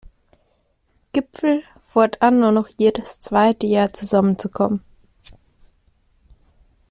Gipfel, fortan nur noch jedes zweite Jahr zusammenzukommen.